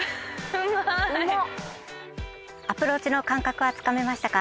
アプローチの感覚はつかめましたか？